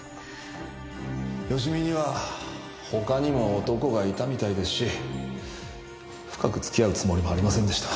芳美には他にも男がいたみたいですし深く付き合うつもりもありませんでした。